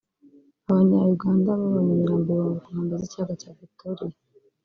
“Abanya-Uganda babonye imirambo ibihumbi ku nkombe z’Ikiyaga cya Victoria